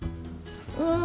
うん。